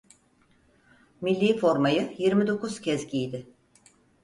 Milli formayı yirmi dokuz kez giydi.